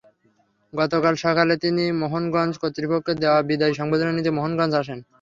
গতকাল সকালে তিনি মোহনগঞ্জ কর্তৃপক্ষের দেওয়া বিদায়ী সংবর্ধনা নিতে মোহনগঞ্জ আসেন।